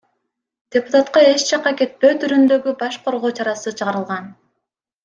Депутатка эч жакка кетпөө түрүндөгү баш коргоо чарасы чыгарылган.